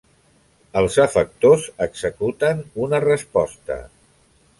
Els efectors executen una resposta.